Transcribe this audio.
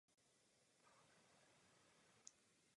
Pro Polsko je to nesmírně důležité téma.